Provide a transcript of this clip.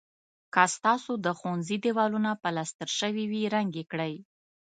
که ستاسو د ښوونځي دېوالونه پلستر شوي وي رنګ یې کړئ.